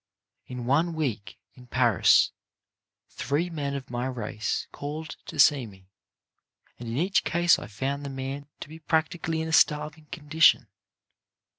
In one week, in Paris, three men of my race called to see me, and in each case I found the man to be practically in a starving condition.